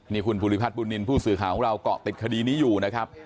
นี่คุณภูริพัฒนบุญนินทร์ผู้สื่อข่าวของเราเกาะติดคดีนี้อยู่นะครับ